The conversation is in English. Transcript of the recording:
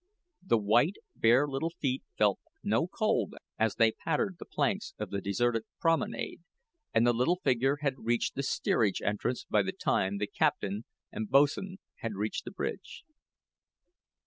The white, bare little feet felt no cold as they pattered the planks of the deserted promenade, and the little figure had reached the steerage entrance by the time the captain and boatswain had reached the bridge.